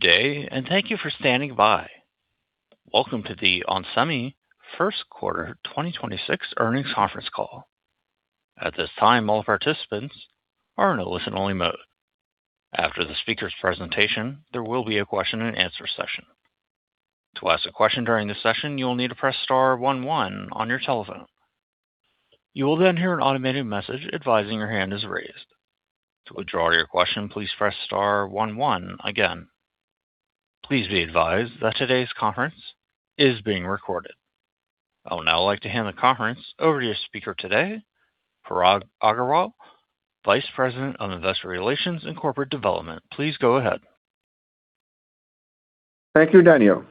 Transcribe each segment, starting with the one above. Good day and thank you for standing by. Welcome to the onsemi First Quarter 2026 Earnings Conference Call. At this time all participants are in a listen only mode. After the speaker's presentation there will be a question-and-answer session. To ask a question during this session you will need to press star one one on your telephone. You will then hear an automated message advising your hand is raised. To withdraw your question, please press star one one again. Please be advised that today's conference is being recorded. I would now like to hand the conference over to your speaker today, Parag Agarwal, Vice President of Investor Relations and Corporate Development. Please go ahead. Thank you, Daniel.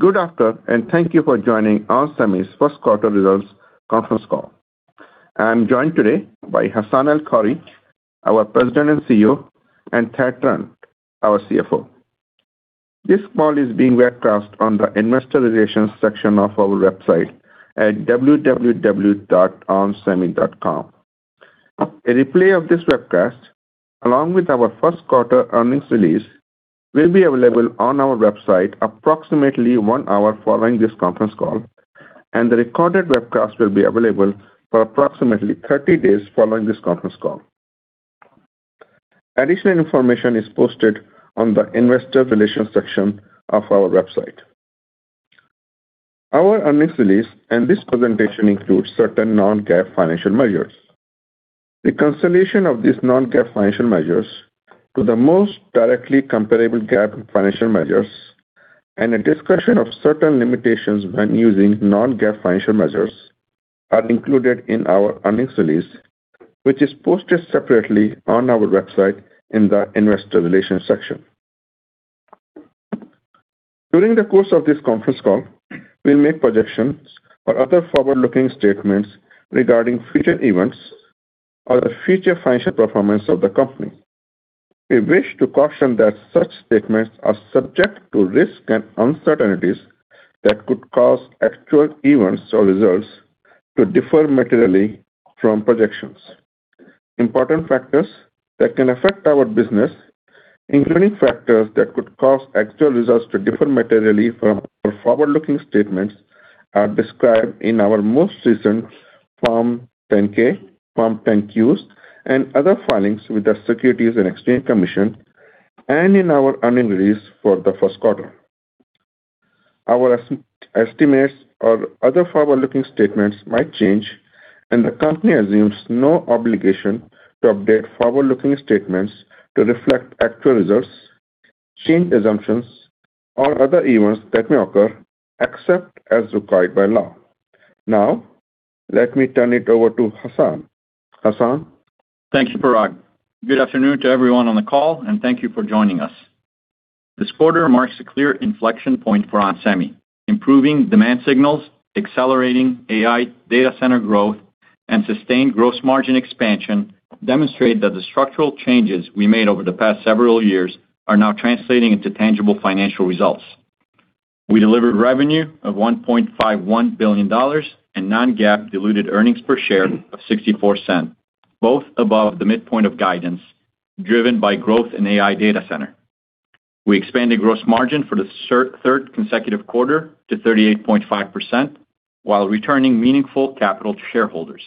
Good afternoon and thank you for joining onsemi's first quarter results conference call. I am joined today by Hassane El-Khoury, our President and CEO, and Thad Trent, our CFO. This call is being webcast on the investor relations section of our website at www.onsemi.com. A replay of this webcast, along with our first quarter earnings release, will be available on our website approximately one hour following this conference call, and the recorded webcast will be available for approximately 30 days following this conference call. Additional information is posted on the investor relations section of our website. Our earnings release and this presentation includes certain non-GAAP financial measures. The consolidation of these non-GAAP financial measures to the most directly comparable GAAP financial measures and a discussion of certain limitations when using non-GAAP financial measures are included in our earnings release, which is posted separately on our website in the investor relations section. During the course of this conference call, we'll make projections or other forward-looking statements regarding future events or the future financial performance of the company. We wish to caution that such statements are subject to risks and uncertainties that could cause actual events or results to differ materially from projections. Important factors that can affect our business, including factors that could cause actual results to differ materially from our forward-looking statements, are described in our most recent Form 10-K, Form 10-Q, and other filings with the Securities and Exchange Commission, and in our earnings release for the first quarter. Our estimates or other forward-looking statements might change, and the company assumes no obligation to update forward-looking statements to reflect actual results, change assumptions, or other events that may occur, except as required by law. Now, let me turn it over to Hassane. Hassane? Thank you, Parag. Good afternoon to everyone on the call, and thank you for joining us. This quarter marks a clear inflection point for onsemi. Improving demand signals, accelerating AI data center growth, and sustained gross margin expansion demonstrate that the structural changes we made over the past several years are now translating into tangible financial results. We delivered revenue of $1.51 billion and non-GAAP diluted earnings per share of $0.64, both above the midpoint of guidance, driven by growth in AI data center. We expanded gross margin for the third consecutive quarter to 38.5% while returning meaningful capital to shareholders.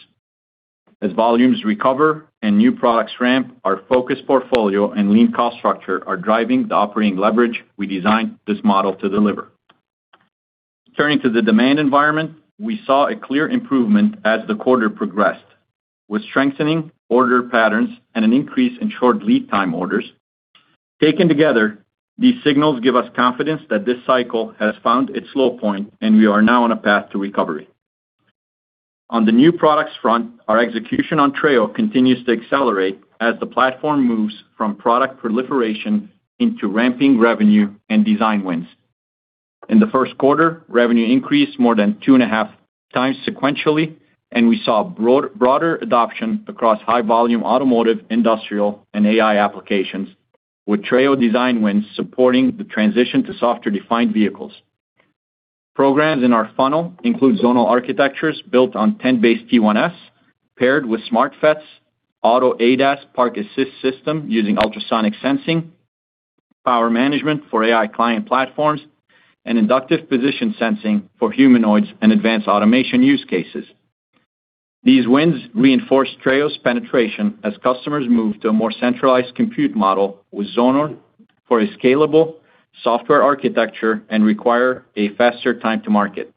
As volumes recover and new products ramp, our focused portfolio and lean cost structure are driving the operating leverage we designed this model to deliver. Turning to the demand environment, we saw a clear improvement as the quarter progressed, with strengthening order patterns and an increase in short lead time orders. Taken together, these signals give us confidence that this cycle has found its low point, and we are now on a path to recovery. On the new products front, our execution on Treo continues to accelerate as the platform moves from product proliferation into ramping revenue and design wins. In the first quarter, revenue increased more than 2.5x sequentially, and we saw broader adoption across high-volume automotive, industrial, and AI applications, with Treo design wins supporting the transition to software-defined vehicles. Programs in our funnel include zonal architectures built on 10BASE-T1S paired with SmartFETs, auto ADAS park assist system using ultrasonic sensing, power management for AI client platforms, and inductive position sensing for humanoids and advanced automation use cases. These wins reinforce Treo's penetration as customers move to a more centralized compute model with zonal for a scalable software architecture and require a faster time to market.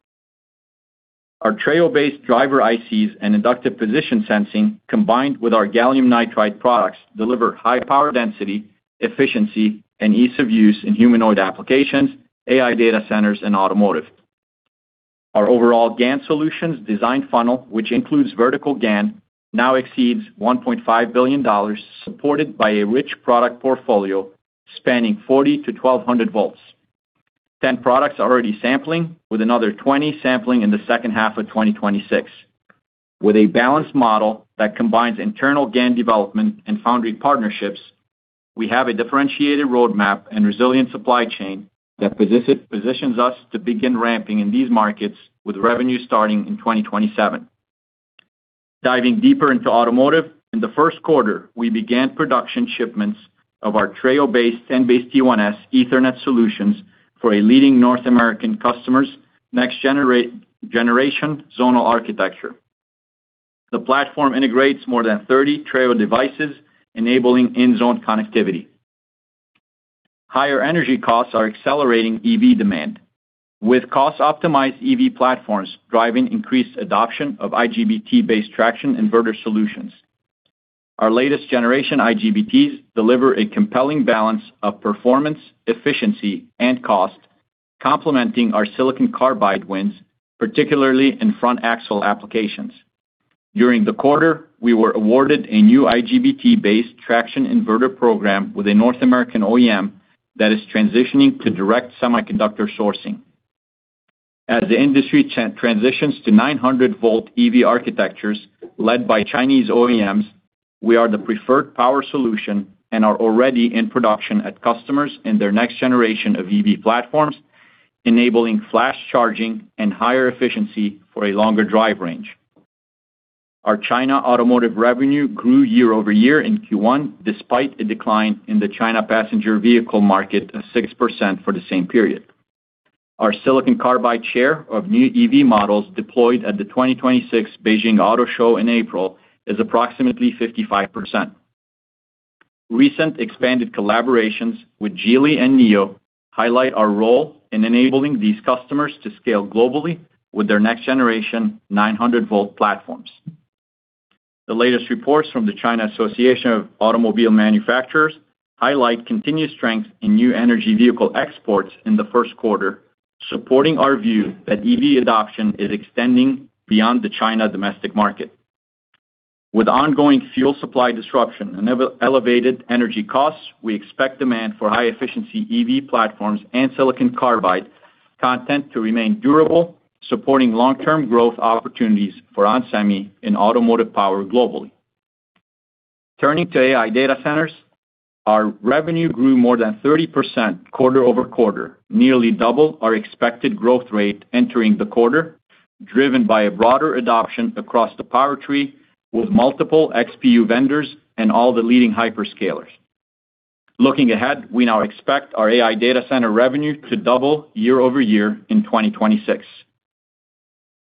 Our Treo-based driver ICs and inductive position sensing, combined with our gallium nitride products, deliver high power density, efficiency, and ease of use in humanoid applications, AI data centers, and automotive. Our overall GaN solutions design funnel, which includes vertical GaN, now exceeds $1.5 billion, supported by a rich product portfolio spanning 40 volts-1,200 volts. 10 products are already sampling, with another 20 sampling in the second half of 2026. With a balanced model that combines internal GaN development and foundry partnerships, we have a differentiated roadmap and resilient supply chain that positions us to begin ramping in these markets with revenue starting in 2027. Diving deeper into automotive, in the first quarter, we began production shipments of our Treo-based and 10BASE-T1S Ethernet solutions for a leading North American customer's next-generation zonal architecture. The platform integrates more than 30 Treo devices, enabling end-zone connectivity. Higher energy costs are accelerating EV demand, with cost-optimized EV platforms driving increased adoption of IGBT-based traction inverter solutions. Our latest generation IGBTs deliver a compelling balance of performance, efficiency, and cost, complementing our silicon carbide wins, particularly in front axle applications. During the quarter, we were awarded a new IGBT-based traction inverter program with a North American OEM that is transitioning to direct semiconductor sourcing. As the industry transitions to 900 volt EV architectures led by Chinese OEMs, we are the preferred power solution and are already in production at customers in their next generation of EV platforms, enabling flash charging and higher efficiency for a longer drive range. Our China automotive revenue grew year over year in Q1, despite a decline in the China passenger vehicle market of 6% for the same period. Our silicon carbide share of new EV models deployed at the 2026 Beijing Auto Show in April is approximately 55%. Recent expanded collaborations with Geely and NIO highlight our role in enabling these customers to scale globally with their next-generation 900 volt platforms. The latest reports from the China Association of Automobile Manufacturers highlight continued strength in new energy vehicle exports in the first quarter, supporting our view that EV adoption is extending beyond the China domestic market. With ongoing fuel supply disruption and elevated energy costs, we expect demand for high-efficiency EV platforms and silicon carbide content to remain durable, supporting long-term growth opportunities for onsemi in automotive power globally. Turning to AI data centers, our revenue grew more than 30% quarter-over-quarter, nearly double our expected growth rate entering the quarter, driven by a broader adoption across the power tree with multiple XPU vendors and all the leading hyperscalers. Looking ahead, we now expect our AI data center revenue to double year-over-year in 2026.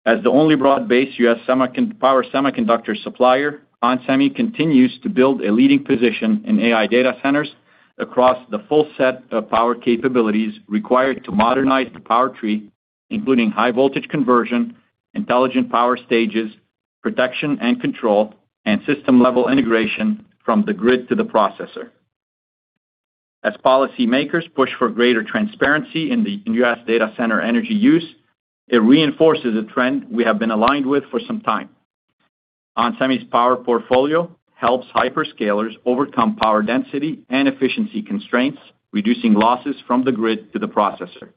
As the only broad-based U.S. semiconductor-- power semiconductor supplier, onsemi continues to build a leading position in AI data centers across the full set of power capabilities required to modernize the power tree, including high voltage conversion, intelligent power stages, protection and control, and system-level integration from the grid to the processor. As policymakers push for greater transparency in the U.S. data center energy use, it reinforces a trend we have been aligned with for some time. onsemi's power portfolio helps hyperscalers overcome power density and efficiency constraints, reducing losses from the grid to the processor.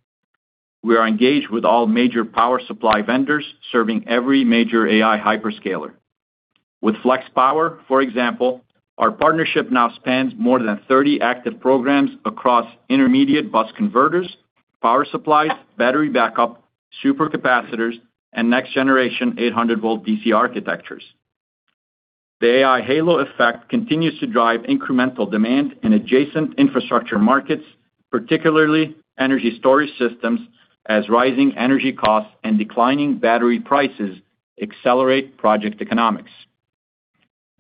We are engaged with all major power supply vendors serving every major AI hyperscaler. With Flex Power, for example, our partnership now spans more than 30 active programs across intermediate bus converters, power supplies, battery backup, super capacitors, and next-generation 800 volt DC architectures. The AI halo effect continues to drive incremental demand in adjacent infrastructure markets, particularly energy storage systems, as rising energy costs and declining battery prices accelerate project economics.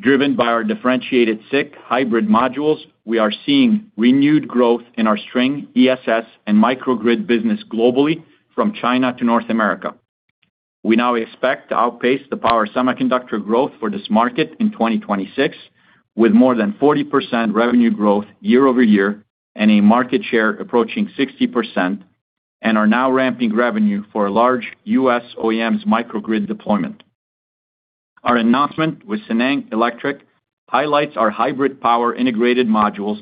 Driven by our differentiated SiC hybrid modules, we are seeing renewed growth in our string ESS and microgrid business globally from China to North America. We now expect to outpace the power semiconductor growth for this market in 2026, with more than 40% revenue growth year-over-year and a market share approaching 60%, and are now ramping revenue for a large U.S. OEM's microgrid deployment. Our announcement with Sineng Electric highlights our hybrid power integrated modules,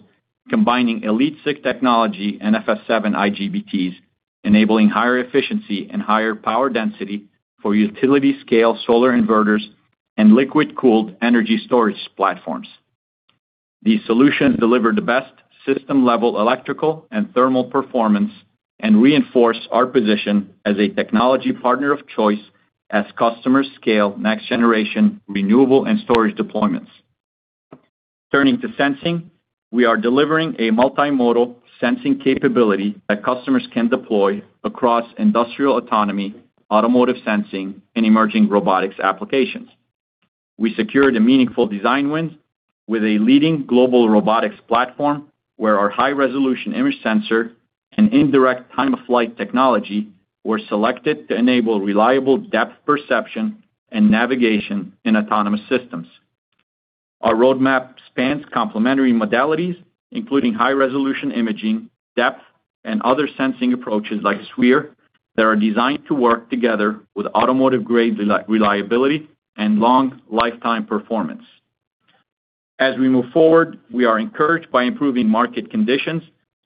combining EliteSiC technology and FS7 IGBTs, enabling higher efficiency and higher power density for utility-scale solar inverters and liquid-cooled energy storage platforms. These solutions deliver the best system-level electrical and thermal performance and reinforce our position as a technology partner of choice as customers scale next-generation renewable and storage deployments. Turning to sensing, we are delivering a multimodal sensing capability that customers can deploy across industrial autonomy, automotive sensing, and emerging robotics applications. We secured a meaningful design win with a leading global robotics platform where our high-resolution image sensor and Indirect Time-of-Flight technology were selected to enable reliable depth perception and navigation in autonomous systems. Our roadmap spans complementary modalities, including high-resolution imaging, depth, and other sensing approaches like SWIR that are designed to work together with automotive-grade reliability and long lifetime performance. As we move forward, we are encouraged by improving market conditions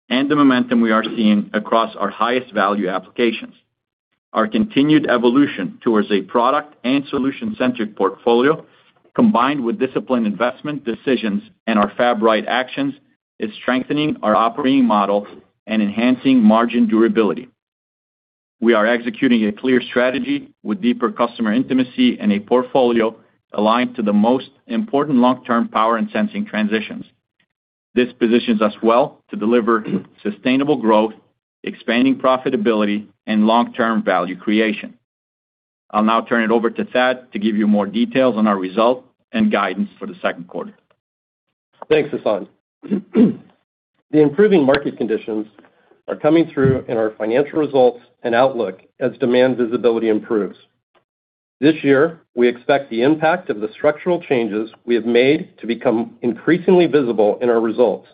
and the momentum we are seeing across our highest value applications. Our continued evolution towards a product and solution-centric portfolio, combined with disciplined investment decisions and our fab right actions, is strengthening our operating model and enhancing margin durability. We are executing a clear strategy with deeper customer intimacy and a portfolio aligned to the most important long-term power and sensing transitions. This positions us well to deliver sustainable growth, expanding profitability, and long-term value creation. I'll now turn it over to Thad to give you more details on our results and guidance for the second quarter. Thanks, Hassane. The improving market conditions are coming through in our financial results and outlook as demand visibility improves. This year, we expect the impact of the structural changes we have made to become increasingly visible in our results.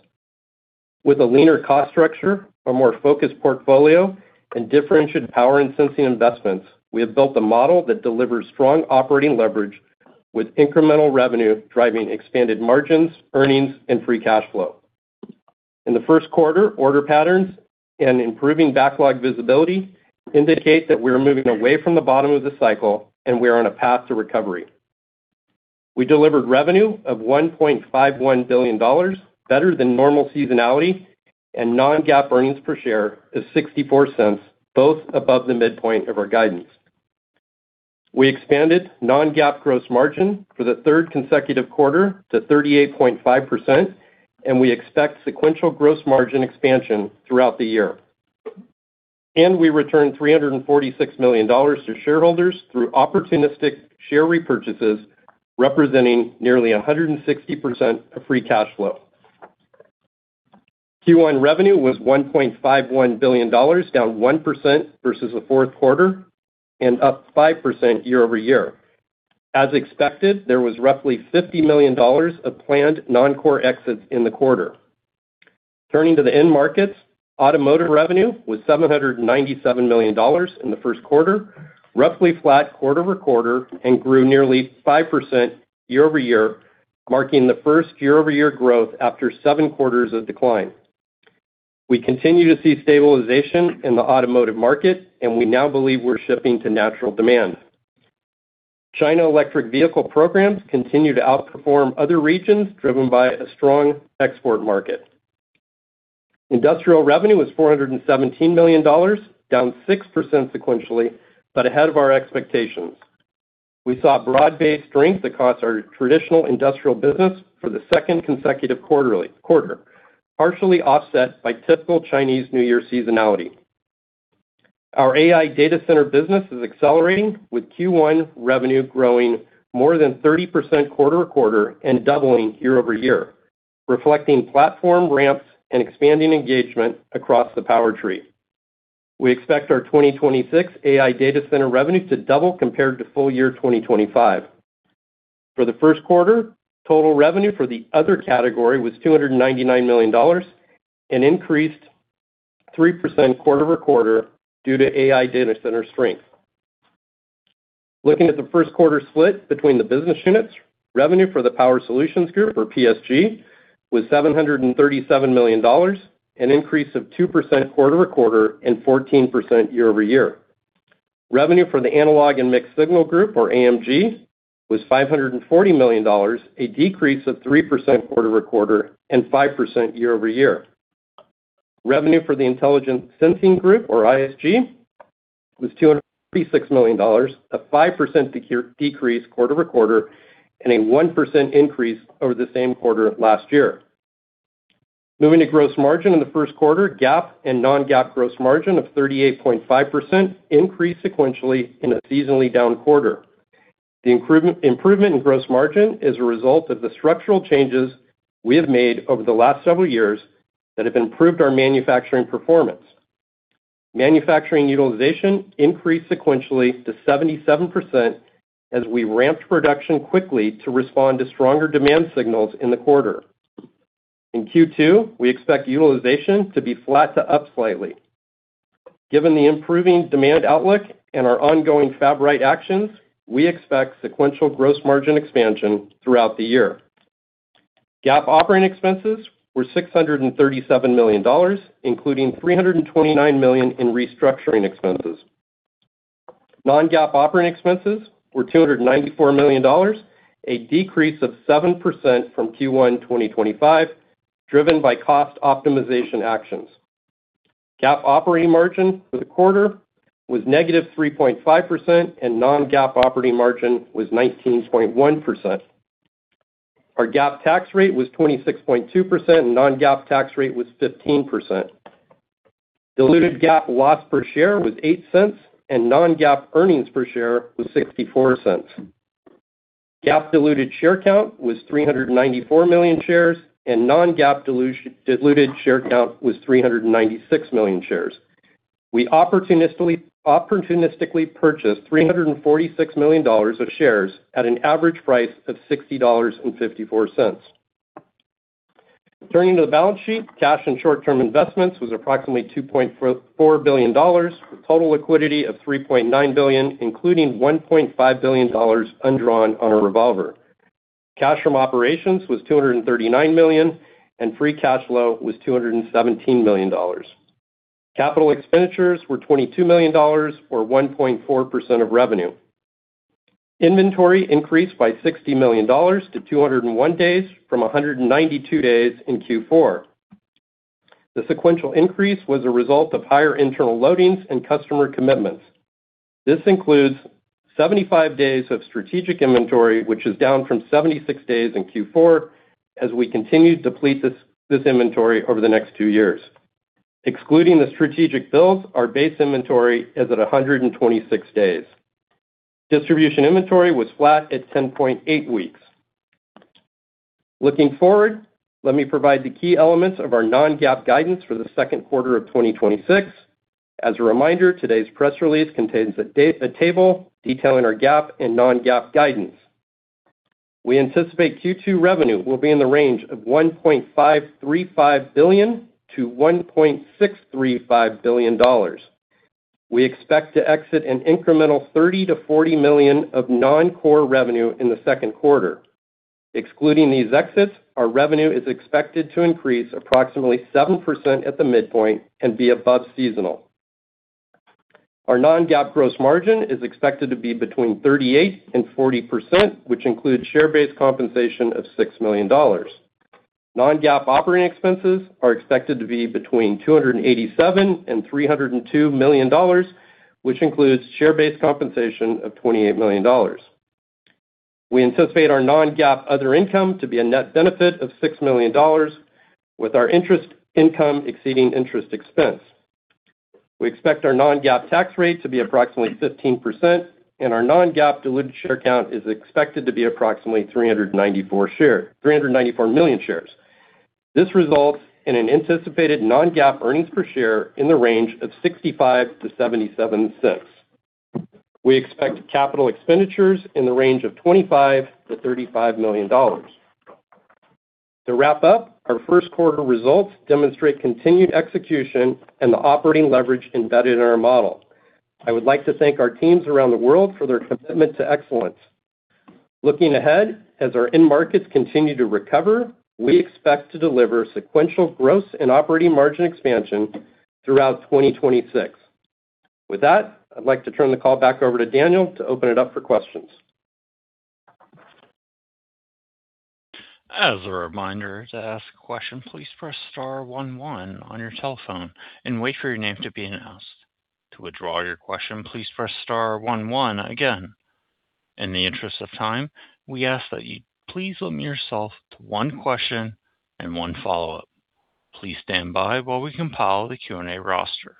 With a leaner cost structure, a more focused portfolio, and differentiated power and sensing investments, we have built a model that delivers strong operating leverage with incremental revenue driving expanded margins, earnings, and free cash flow. In the first quarter, order patterns and improving backlog visibility indicate that we are moving away from the bottom of the cycle, and we are on a path to recovery. We delivered revenue of $1.51 billion, better than normal seasonality, and non-GAAP earnings per share is $0.64, both above the midpoint of our guidance. We expanded non-GAAP gross margin for the third consecutive quarter to 38.5%, and we expect sequential gross margin expansion throughout the year. We returned $346 million to shareholders through opportunistic share repurchases, representing nearly 160% of free cash flow. Q1 revenue was $1.51 billion, down 1% versus the fourth quarter and up 5% year-over-year. As expected, there was roughly $50 million of planned non-core exits in the quarter. Turning to the end markets, automotive revenue was $797 million in the first quarter, roughly flat quarter-over-quarter, and grew nearly 5% year-over-year, marking the first year-over-year growth after seven quarters of decline. We continue to see stabilization in the automotive market, and we now believe we're shipping to natural demand. China electric vehicle programs continue to outperform other regions, driven by a strong export market. Industrial revenue was $417 million, down 6% sequentially, ahead of our expectations. We saw broad-based strength across our traditional industrial business for the second consecutive quarter, partially offset by typical Chinese New Year seasonality. Our AI data center business is accelerating, with Q1 revenue growing more than 30% quarter-over-quarter and doubling year-over-year, reflecting platform ramps and expanding engagement across the power tree. We expect our 2026 AI data center revenue to double compared to full year 2025. For the first quarter, total revenue for the other category was $299 million, an increase 3% quarter-over-quarter due to AI data center strength. Looking at the first quarter split between the business units, revenue for the Power Solutions Group, or PSG, was $737 million, an increase of 2% quarter-over-quarter and 14% year-over-year. Revenue for the Analog and Mixed-Signal Group, or AMG, was $540 million, a decrease of 3% quarter-over-quarter and 5% year-over-year. Revenue for the Intelligent Sensing Group, or ISG, was $236 million, a 5% decrease quarter-over-quarter and a 1% increase over the same quarter last year. Moving to gross margin in the first quarter, GAAP and non-GAAP gross margin of 38.5% increased sequentially in a seasonally down quarter. The improvement in gross margin is a result of the structural changes we have made over the last several years that have improved our manufacturing performance. Manufacturing utilization increased sequentially to 77% as we ramped production quickly to respond to stronger demand signals in the quarter. In Q2, we expect utilization to be flat to up slightly. Given the improving demand outlook and our ongoing fab right actions, we expect sequential gross margin expansion throughout the year. GAAP operating expenses were $637 million, including $329 million in restructuring expenses. non-GAAP operating expenses were $294 million, a decrease of 7% from Q1 2025, driven by cost optimization actions. GAAP operating margin for the quarter was negative 3.5%, and non-GAAP operating margin was 19.1%. Our GAAP tax rate was 26.2%. Non-GAAP tax rate was 15%. Diluted GAAP loss per share was $0.08. Non-GAAP earnings per share was $0.64. GAAP diluted share count was 394 million shares. Non-GAAP diluted share count was 396 million shares. We opportunistically purchased $346 million of shares at an average price of $60.54. Turning to the balance sheet, cash and short-term investments was approximately $2.4 billion, with total liquidity of $3.9 billion, including $1.5 billion undrawn on our revolver. Cash from operations was $239 million. Free cash flow was $217 million. Capital expenditures were $22 million, or 1.4% of revenue. Inventory increased by $60 million to 201 days from 192 days in Q4. The sequential increase was a result of higher internal loadings and customer commitments. This includes 75 days of strategic inventory, which is down from 76 days in Q4 as we continue to deplete this inventory over the next two years. Excluding the strategic builds, our base inventory is at 126 days. Distribution inventory was flat at 10.8 weeks. Looking forward, let me provide the key elements of our non-GAAP guidance for the second quarter of 2026. As a reminder, today's press release contains a table detailing our GAAP and non-GAAP guidance. We anticipate Q2 revenue will be in the range of $1.535 billion-$1.635 billion. We expect to exit an incremental $30 million-$40 million of non-core revenue in the second quarter. Excluding these exits, our revenue is expected to increase approximately 7% at the midpoint and be above seasonal. Our non-GAAP gross margin is expected to be between 38% and 40%, which includes share-based compensation of $6 million. Non-GAAP operating expenses are expected to be between $287 million and $302 million, which includes share-based compensation of $28 million. We anticipate our non-GAAP other income to be a net benefit of $6 million, with our interest income exceeding interest expense. We expect our non-GAAP tax rate to be approximately 15%, and our non-GAAP diluted share count is expected to be approximately 394 million shares. This results in an anticipated non-GAAP earnings per share in the range of $0.65-$0.77. We expect capital expenditures in the range of $25 million-$35 million. To wrap up, our first quarter results demonstrate continued execution and the operating leverage embedded in our model. I would like to thank our teams around the world for their commitment to excellence. Looking ahead, as our end markets continue to recover, we expect to deliver sequential gross and operating margin expansion throughout 2026. I'd like to turn the call back over to Daniel to open it up for questions. As a reminder, to ask a question, please press star one one on your telephone and wait for your name to be announced. To withdraw your question, please press star one one again. In the interest of time, we ask that you please limit yourself to one question and one follow-up. Please stand by while we compile the Q&A roster.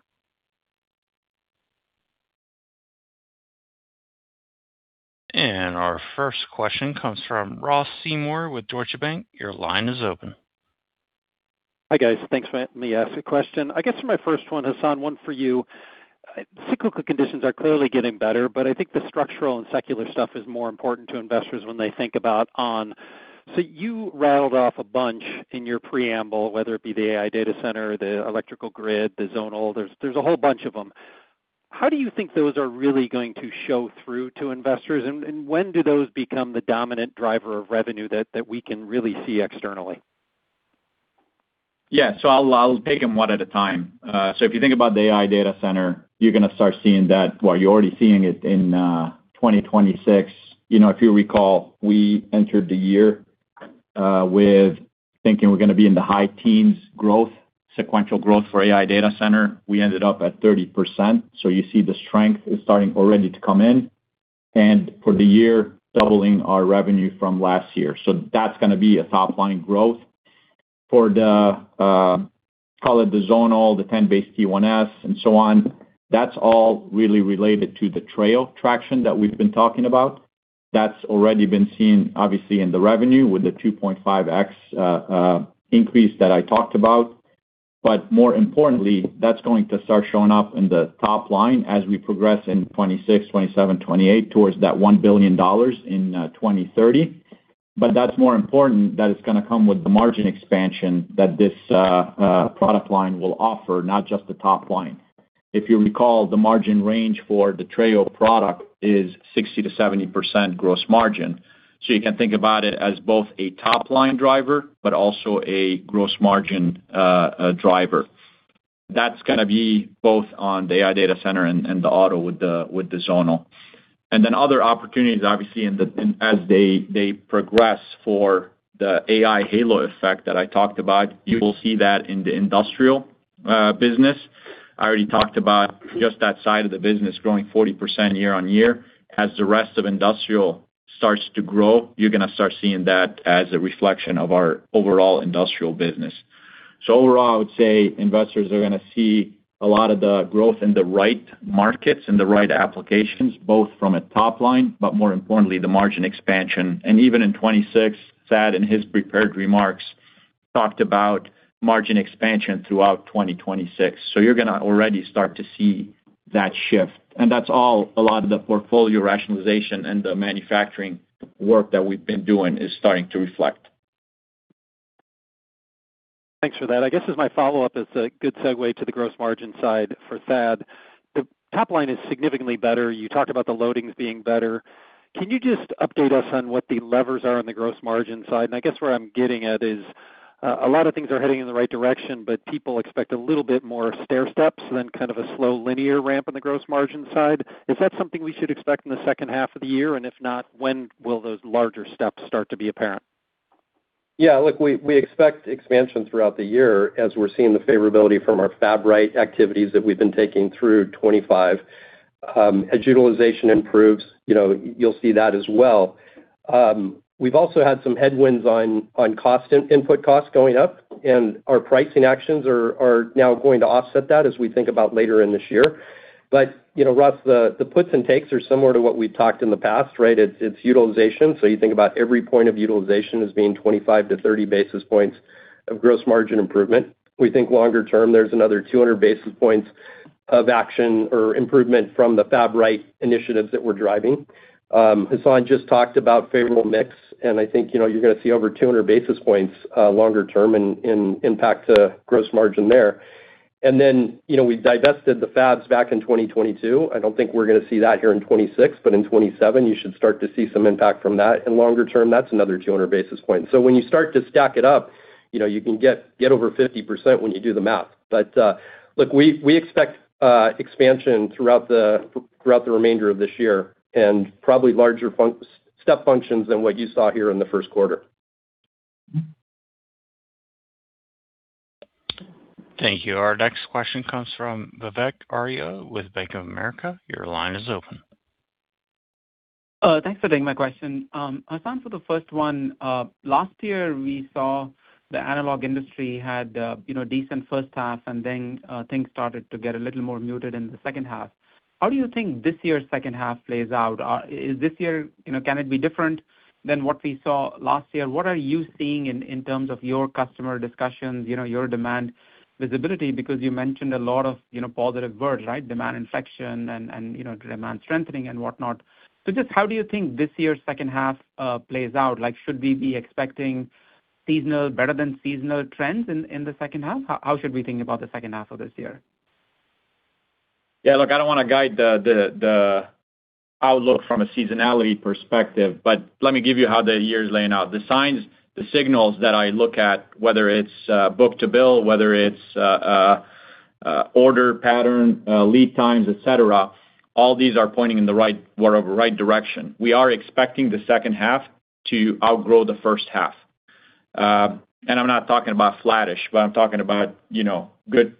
Our first question comes from Ross Seymore with Deutsche Bank. Your line is open. Hi, guys. Thanks for letting me ask a question. I guess for my first one, Hassane, one for you. Cyclical conditions are clearly getting better, but I think the structural and secular stuff is more important to investors when they think about ON. You rattled off a bunch in your preamble, whether it be the AI data center, the electrical grid, the zonal, there's a whole bunch of them. How do you think those are really going to show through to investors? When do those become the dominant driver of revenue that we can really see externally? I'll take them one at a time. If you think about the AI data center, you're gonna start seeing that. Well, you're already seeing it in 2026. You know, if you recall, we entered the year thinking we're gonna be in the high teens' growth, sequential growth for AI data center. We ended up at 30%. You see the strength is starting already to come in. For the year, doubling our revenue from last year. That's gonna be a top-line growth. For the, call it the zonal, the 10BASE-T1S, and so on, that's all really related to the Treo traction that we've been talking about. That's already been seen, obviously, in the revenue with the 2.5x increase that I talked about. More importantly, that's going to start showing up in the top line as we progress in 2026, 2027, 2028 towards that $1 billion in 2030. That's more important that it's gonna come with the margin expansion that this product line will offer, not just the top line. If you recall, the margin range for the Treo product is 60%-70% gross margin. You can think about it as both a top line driver, but also a gross margin driver. That's gonna be both on the AI data center and the auto with the zonal. Other opportunities, obviously, in the as they progress for the AI halo effect that I talked about, you will see that in the industrial business. I already talked about just that side of the business growing 40% year-over-year. As the rest of industrial starts to grow, you're gonna start seeing that as a reflection of our overall industrial business. Overall, I would say investors are gonna see a lot of the growth in the right markets and the right applications, both from a top line, but more importantly, the margin expansion. Even in 2026, Thad, in his prepared remarks, talked about margin expansion throughout 2026. You're gonna already start to see that shift. That's all a lot of the portfolio rationalization and the manufacturing work that we've been doing is starting to reflect. Thanks for that. I guess as my follow-up, it's a good segue to the gross margin side for Thad. The top line is significantly better. You talked about the loadings being better. Can you just update us on what the levers are on the gross margin side? I guess where I'm getting at is, a lot of things are heading in the right direction, but people expect a little bit more stair steps than kind of a slow linear ramp on the gross margin side. Is that something we should expect in the second half of the year? If not, when will those larger steps start to be apparent? Yeah. Look, we expect expansion throughout the year as we're seeing the favorability from our fab right activities that we've been taking through 2025. As utilization improves, you know, you'll see that as well. We've also had some headwinds on cost input costs going up, our pricing actions are now going to offset that as we think about later in this year. You know, Ross, the puts and takes are similar to what we've talked in the past, right? It's utilization. You think about every point of utilization as being 25-30 basis points of gross margin improvement. We think longer term, there's another 200 basis points of action or improvement from the fab right initiatives that we're driving. Hassane just talked about favorable mix. I think, you know, you're gonna see over 200 basis points, longer term in impact to gross margin there. Then, you know, we divested the fabs back in 2022. I don't think we're gonna see that here in 2026, but in 2027, you should start to see some impact from that. Longer term, that's another 200 basis points. When you start to stack it up, you know, you can get over 50% when you do the math. Look, we expect expansion throughout the remainder of this year and probably larger step functions than what you saw here in the first quarter. Mm-hmm. Thank you. Our next question comes from Vivek Arya with Bank of America. Your line is open. Thanks for taking my question. Hassane, for the first one, last year we saw the analog industry had, you know, decent first half, and then things started to get a little more muted in the second half. How do you think this year's second half plays out? Is this year, you know, can it be different than what we saw last year? What are you seeing in terms of your customer discussions, you know, your demand visibility? Because you mentioned a lot of, you know, positive words, right? Demand inflection and, you know, demand strengthening and whatnot. Just how do you think this year's second half plays out? Like, should we be expecting seasonal, better than seasonal trends in the second half? How should we think about the second half of this year? Yeah, look, I don't wanna guide the outlook from a seasonality perspective. Let me give you how the year's laying out. The signs, the signals that I look at, whether it's book to bill, whether it's order pattern, lead times, et cetera, all these are pointing in the right direction. We are expecting the second half to outgrow the first half. I'm not talking about flattish. I'm talking about, you know, good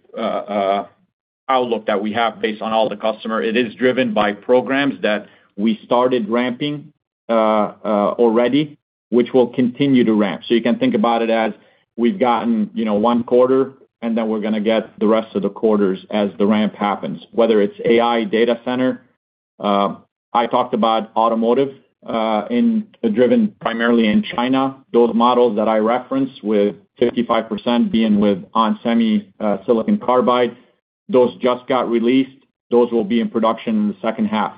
outlook that we have based on all the customer. It is driven by programs that we started ramping already, which will continue to ramp. You can think about it as we've gotten, you know, one quarter, and then we're gonna get the rest of the quarters as the ramp happens, whether it's AI data center, I talked about automotive, driven primarily in China. Those models that I referenced with 55% being with onsemi, silicon carbide, those just got released. Those will be in production in the second half.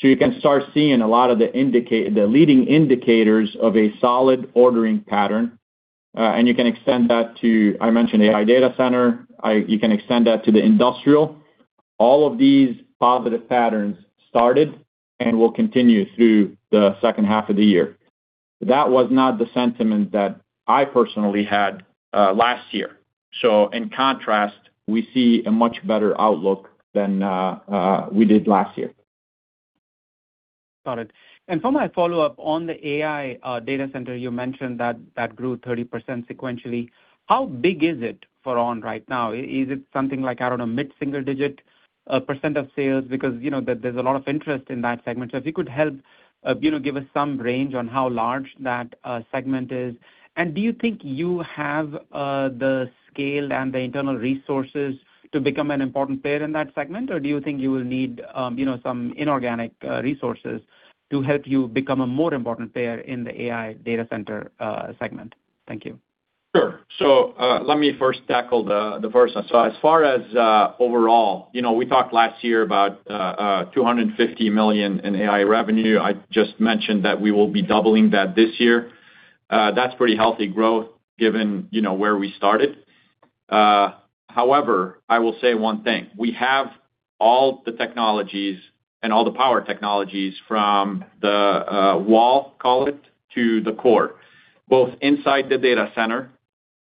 You can start seeing a lot of the leading indicators of a solid ordering pattern, and you can extend that to, I mentioned AI data center. You can extend that to the industrial. All of these positive patterns started and will continue through the second half of the year. That was not the sentiment that I personally had, last year. In contrast, we see a much better outlook than we did last year. Got it. For my follow-up on the AI data center, you mentioned that grew 30% sequentially. How big is it for ON right now? Is it something like, I don't know, mid-single-digit percent of sales? You know, there's a lot of interest in that segment. If you could help, you know, give us some range on how large that segment is. Do you think you have the scale and the internal resources to become an important player in that segment? Do you think you will need, you know, some inorganic resources to help you become a more important player in the AI data center segment? Thank you. Sure. Let me first tackle the first one. As far as overall, you know, we talked last year about $250 million in AI revenue. I just mentioned that we will be doubling that this year. That's pretty healthy growth given, you know, where we started. However, I will say one thing. We have all the technologies and all the power technologies from the wall, call it, to the core, both inside the data center,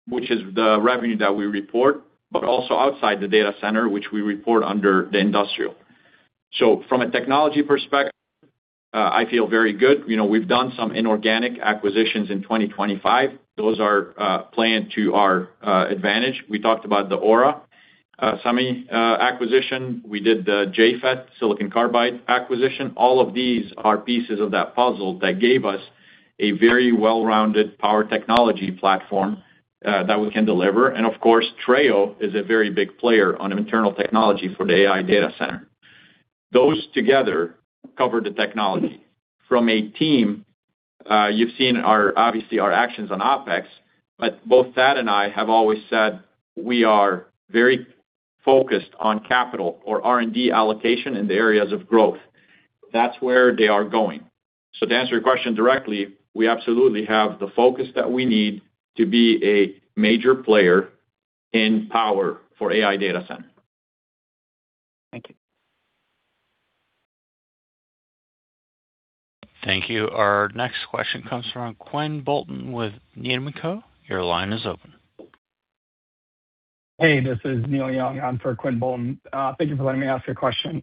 which is the revenue that we report, but also outside the data center, which we report under the industrial. From a technology perspective, I feel very good. You know, we've done some inorganic acquisitions in 2025. Those are playing to our advantage. We talked about the Aurasemi acquisition. We did the JFET silicon carbide acquisition. All of these are pieces of that puzzle that gave us a very well-rounded power technology platform that we can deliver. Of course, Treo is a very big player on internal technology for the AI data center. Those together cover the technology. From a team, you've seen our, obviously our actions on OpEx, but both Thad and I have always said we are very focused on capital or R&D allocation in the areas of growth. That's where they are going. To answer your question directly, we absolutely have the focus that we need to be a major player in power for AI data center. Thank you. Thank you. Our next question comes from Quinn Bolton with Needham & Co. Your line is open. Hey, this is Neil Young. I'm for Quinn Bolton. Thank you for letting me ask you a question.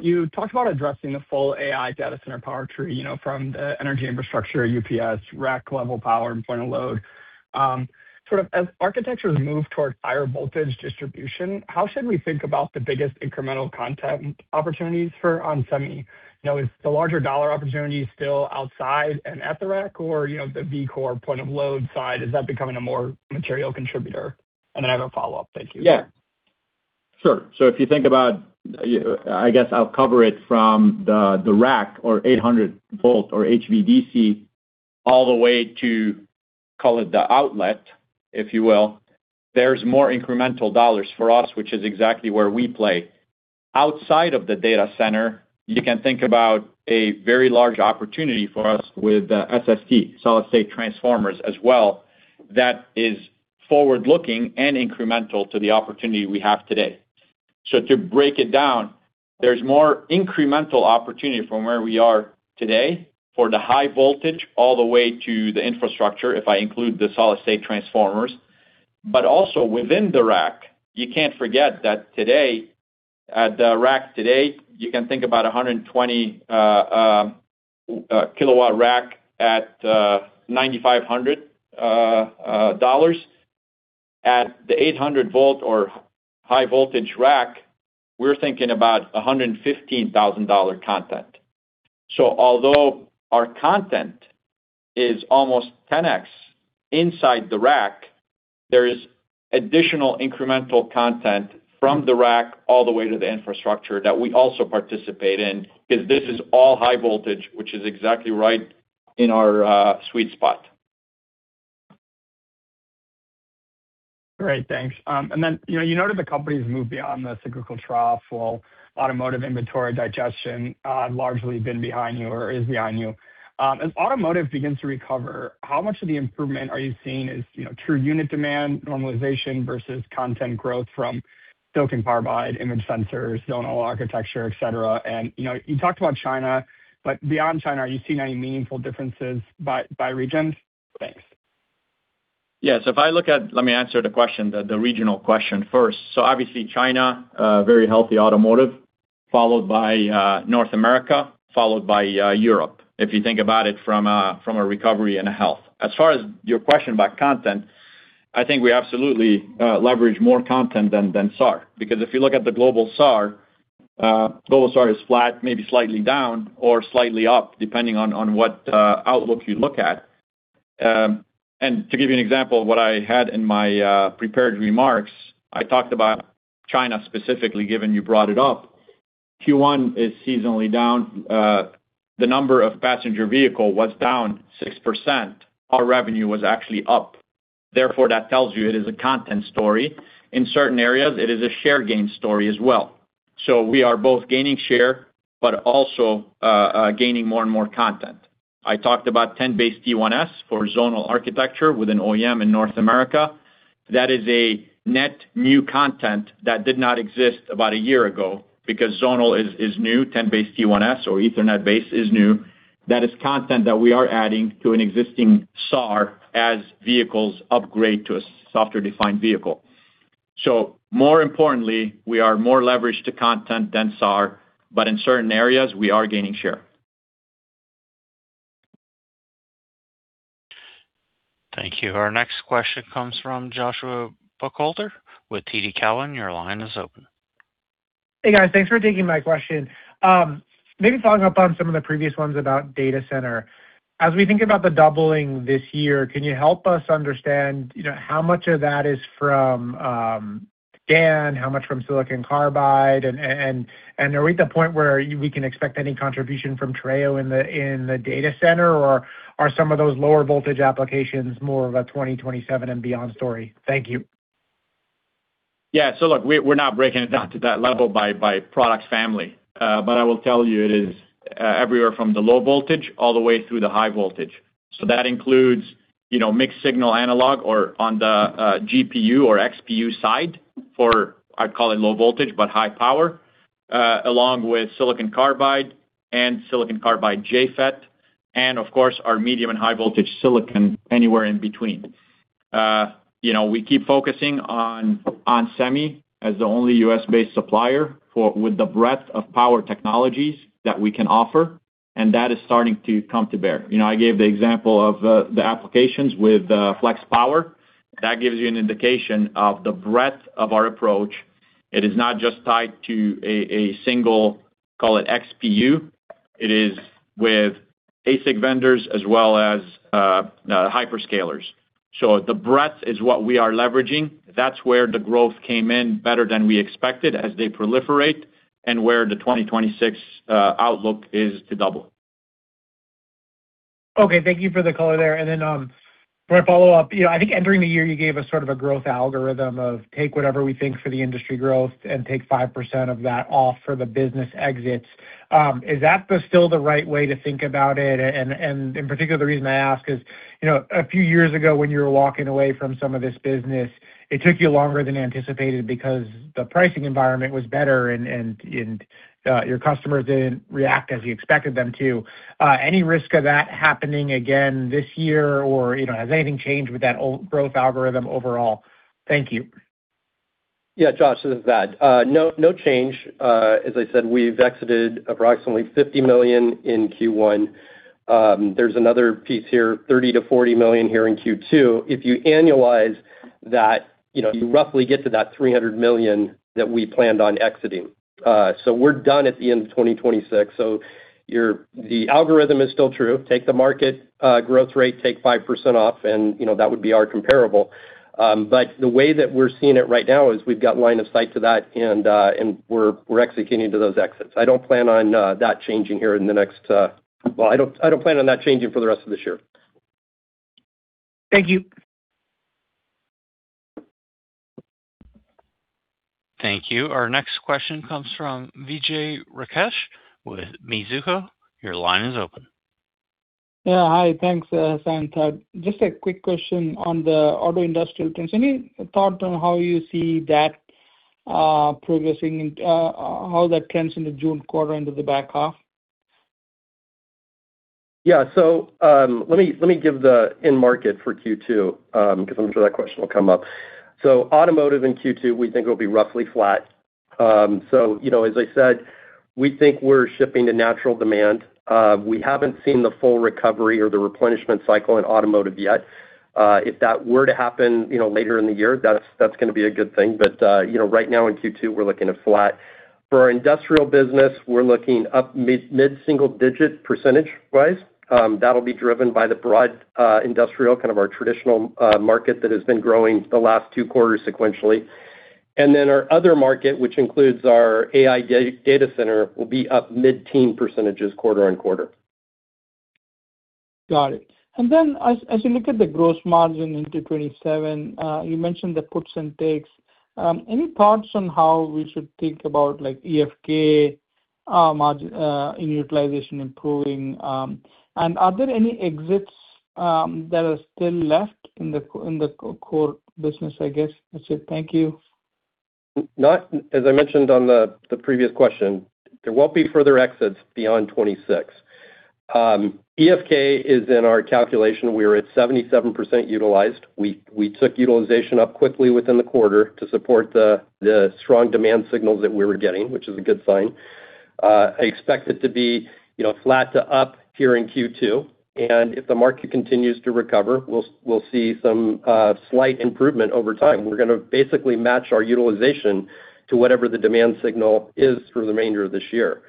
You talked about addressing the full AI data center power tree, you know, from the energy infrastructure UPS, rack-level power and point of load. Sort of as architectures move towards higher voltage distribution, how should we think about the biggest incremental content opportunities for onsemi? You know, is the larger dollar opportunity still outside and at the rack or, you know, the Vcore point of load side, is that becoming a more material contributor? I have a follow-up. Thank you. Yeah. Sure. If you think about, I guess I'll cover it from the rack or 800 volt or HVDC all the way to, call it the outlet, if you will. There's more incremental dollars for us, which is exactly where we play. Outside of the data center, you can think about a very large opportunity for us with SST, Solid-State Transformers as well. That is forward-looking and incremental to the opportunity we have today. To break it down, there's more incremental opportunity from where we are today for the high voltage all the way to the infrastructure, if I include the Solid-State Transformers. Also within the rack, you can't forget that today, at the rack today, you can think about a 120 kW rack at $9,500. At the 800 volt or high voltage rack, we're thinking about $115,000 content. Although our content is almost 10x inside the rack, there is additional incremental content from the rack all the way to the infrastructure that we also participate in, 'cause this is all high voltage, which is exactly right in our sweet spot. Great, thanks. Then, you know, you noted the company's moved beyond the cyclical trough while automotive inventory digestion largely been behind you or is behind you. As automotive begins to recover, how much of the improvement are you seeing is, you know, true unit demand normalization versus content growth from silicon carbide, image sensors, zonal architecture, et cetera? You know, you talked about China, but beyond China, are you seeing any meaningful differences by regions? Thanks. Yes. Let me answer the question, the regional question first. Obviously, China, very healthy automotive, followed by North America, followed by Europe, if you think about it from a recovery and a health. As far as your question about content, I think we absolutely leverage more content than SAR, because if you look at the global SAR, global SAR is flat, maybe slightly down or slightly up, depending on what outlook you look at. To give you an example, what I had in my prepared remarks, I talked about China specifically, given you brought it up. Q1 is seasonally down. The number of passenger vehicle was down 6%. Our revenue was actually up. Therefore, that tells you it is a content story. In certain areas, it is a share gain story as well. We are both gaining share but also gaining more and more content. I talked about 10BASE-T1S for zonal architecture with an OEM in North America. That is a net new content that did not exist about a year ago because zonal is new, 10BASE-T1S or Ethernet base is new. That is content that we are adding to an existing SAR as vehicles upgrade to a software-defined vehicle. More importantly, we are more leveraged to content than SAR, but in certain areas, we are gaining share. Thank you. Our next question comes from Joshua Buchalter with TD Cowen. Your line is open. Hey, guys. Thanks for taking my question. Maybe following up on some of the previous ones about data center. As we think about the doubling this year, can you help us understand, you know, how much of that is from GaN, how much from silicon carbide? And are we at the point where we can expect any contribution from Treo in the data center, or are some of those lower voltage applications more of a 2027 and beyond story? Thank you. Yeah. Look, we're not breaking it down to that level by product family. But I will tell you it is everywhere from the low voltage all the way through the high voltage. That includes, you know, mixed signal analog or on the GPU or XPU side for, I'd call it low voltage, but high power, along with silicon carbide and Silicon Carbide JFET, and of course, our medium and high voltage silicon anywhere in between. You know, we keep focusing on onsemi as the only U.S.-based supplier with the breadth of power technologies that we can offer, and that is starting to come to bear. You know, I gave the example of the applications with Flex power. That gives you an indication of the breadth of our approach. It is not just tied to a single, call it XPU. It is with ASiC vendors as well as hyperscalers. The breadth is what we are leveraging. That's where the growth came in better than we expected as they proliferate and where the 2026 outlook is to double. Okay. Thank you for the color there. Then, for a follow-up, you know, I think entering the year you gave us sort of a growth algorithm of take whatever we think for the industry growth and take 5% of that off for the business exits. Is that still the right way to think about it? And in particular, the reason I ask is, you know, a few years ago when you were walking away from some of this business, it took you longer than anticipated because the pricing environment was better and, your customers didn't react as you expected them to. Any risk of that happening again this year or, you know, has anything changed with that old growth algorithm overall? Thank you. Yeah, Josh, this is Thad. No, no change. As I said, we've exited approximately $50 million in Q1. There's another piece here, $30 million-$40 million here in Q2. If you annualize that, you know, you roughly get to that $300 million that we planned on exiting. So we're done at the end of 2026. So your the algorithm is still true. Take the market growth rate, take 5% off, and, you know, that would be our comparable. But the way that we're seeing it right now is we've got line of sight to that, and we're executing to those exits. I don't plan on that changing here in the next. Well, I don't plan on that changing for the rest of this year. Thank you. Thank you. Our next question comes from Vijay Rakesh with Mizuho. Your line is open. Yeah, hi. Thanks, Hassane and Thad. Just a quick question on the auto industrial trends. Any thought on how you see that progressing and how that trends in the June quarter into the back half? Let me, let me give the end market for Q2, cause I'm sure that question will come up. Automotive in Q2, we think will be roughly flat. You know, as I said, we think we're shipping to natural demand. We haven't seen the full recovery or the replenishment cycle in automotive yet. If that were to happen, you know, later in the year, that's gonna be a good thing. You know, right now in Q2, we're looking at flat. For our industrial business, we're looking up mid-single digit percentage wise. That'll be driven by the broad industrial, kind of our traditional market that has been growing the last two quarters sequentially. Our other market, which includes our AI data center, will be up mid-teen percentages quarter-on-quarter. Got it. As you look at the gross margin into 2027, you mentioned the puts and takes. Any thoughts on how we should think about like EFK margin in utilization improving? Are there any exits that are still left in the core business, I guess? That's it. Thank you. As I mentioned on the previous question, there won't be further exits beyond 2026. EFK is in our calculation. We are at 77% utilized. We took utilization up quickly within the quarter to support the strong demand signals that we were getting, which is a good sign. I expect it to be, you know, flat to up here in Q2, if the market continues to recover, we'll see some slight improvement over time. We're gonna basically match our utilization to whatever the demand signal is through the remainder of this year.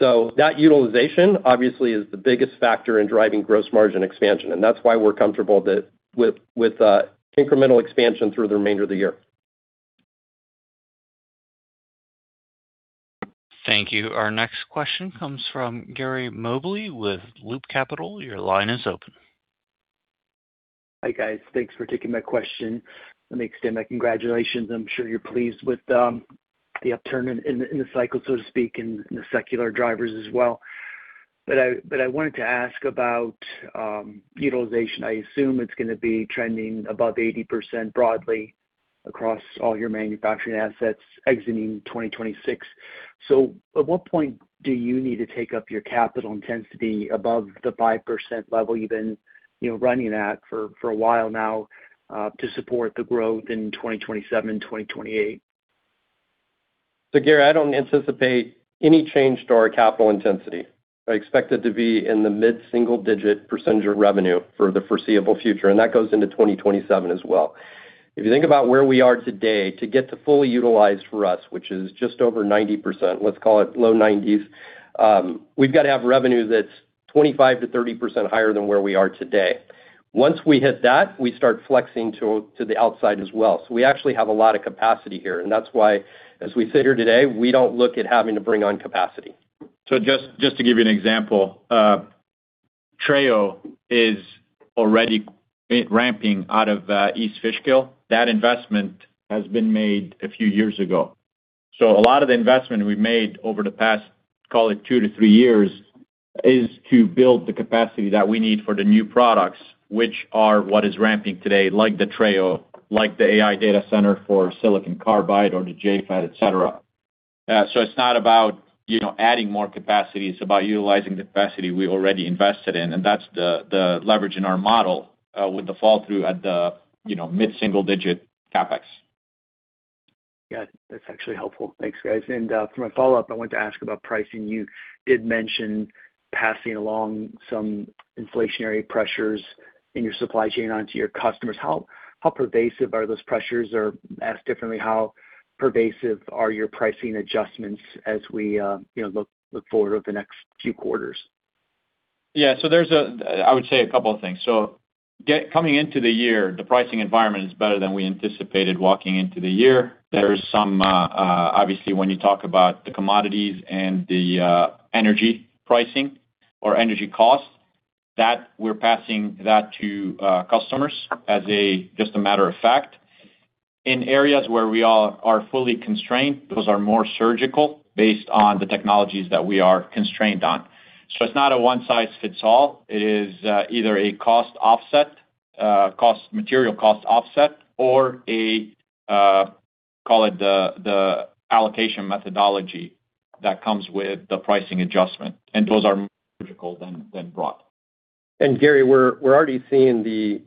That utilization obviously is the biggest factor in driving gross margin expansion, and that's why we're comfortable that with incremental expansion through the remainder of the year. Thank you. Our next question comes from Gary Mobley with Loop Capital. Your line is open. Hi, guys. Thanks for taking my question. Let me extend my congratulations. I'm sure you're pleased with the upturn in the cycle, so to speak, and the secular drivers as well. I wanted to ask about utilization. I assume it's gonna be trending above 80% broadly across all your manufacturing assets exiting 2026. At what point do you need to take up your capital intensity above the 5% level you've been, you know, running at for a while now, to support the growth in 2027 and 2028? Gary, I don't anticipate any change to our capital intensity. I expect it to be in the mid-single digit percentage of revenue for the foreseeable future, and that goes into 2027 as well. If you think about where we are today, to get to fully utilized for us, which is just over 90%, let's call it low 90s, we've got to have revenue that's 25%-30% higher than where we are today. Once we hit that, we start flexing to the outside as well. We actually have a lot of capacity here, and that's why, as we sit here today, we don't look at having to bring on capacity. Just to give you an example, Treo is already ramping out of East Fishkill. That investment has been made a few years ago. A lot of the investment we've made over the past, call it two to three years, is to build the capacity that we need for the new products, which are what is ramping today, like the Treo, like the AI data center for silicon carbide or the JFET, et cetera. It's not about, you know, adding more capacity, it's about utilizing the capacity we already invested in, and that's the leverage in our model, with the fall through at the, you know, mid-single digit CapEx. Got it. That's actually helpful. Thanks, guys. For my follow-up, I wanted to ask about pricing. You did mention passing along some inflationary pressures in your supply chain onto your customers. How pervasive are those pressures? Or asked differently, how pervasive are your pricing adjustments as we, you know, look forward over the next few quarters? Yeah. There's a couple of things. Coming into the year, the pricing environment is better than we anticipated walking into the year. There is some, obviously, when you talk about the commodities and the energy pricing or energy costs, that we're passing that to customers as a just a matter of fact. In areas where we are fully constrained, those are more surgical based on the technologies that we are constrained on. It's not a one-size-fits-all. It is either a cost offset, material cost offset or a call it the allocation methodology that comes with the pricing adjustment, those are more surgical than broad. Gary, we're already seeing the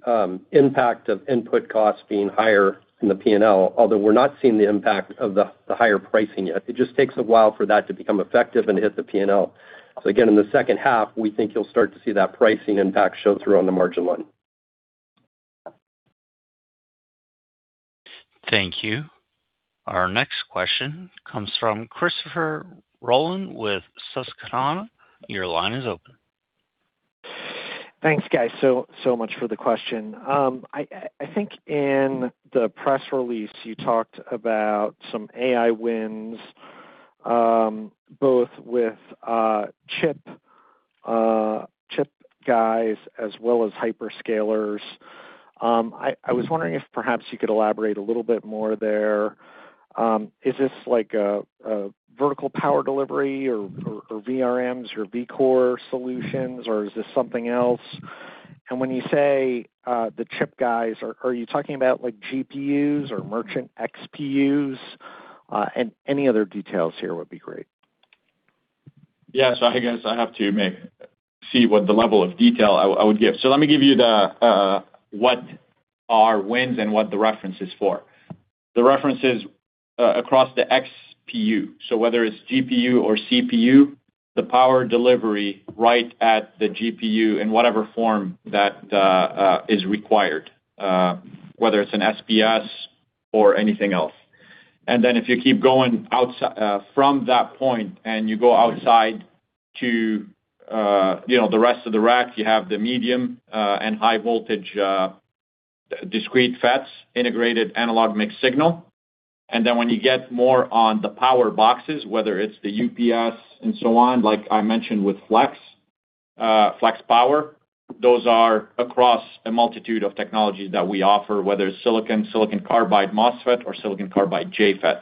impact of input costs being higher in the P&L, although we're not seeing the impact of the higher pricing yet. It just takes a while for that to become effective and hit the P&L. Again, in the second half, we think you'll start to see that pricing impact show through on the margin line. Thank you. Our next question comes from Christopher Rolland with Susquehanna. Your line is open. Thanks, guys, so much for the question. I think in the press release, you talked about some AI wins, both with chip guys as well as hyperscalers. I was wondering if perhaps you could elaborate a little bit more there. Is this like a vertical power delivery or VRMs or Vcore solutions, or is this something else? When you say the chip guys, are you talking about like GPUs or merchant XPUs? Any other details here would be great. Yeah. I guess I have to see what the level of detail I would give. Let me give you the what are wins and what the reference is for. The reference is across the XPU, so whether it's GPU or CPU, the power delivery right at the GPU in whatever form that is required, whether it's an SBS or anything else. If you keep going from that point and you go outside to, you know, the rest of the rack, you have the medium and high voltage discrete FETs integrated analog mixed signal. When you get more on the power boxes, whether it's the UPS and so on, like I mentioned with Flex Power, those are across a multitude of technologies that we offer, whether it's silicon carbide MOSFET, or silicon carbide JFET.